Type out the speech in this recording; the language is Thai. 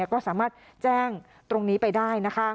ก็สามารถแจ้งตรงนี้ไปได้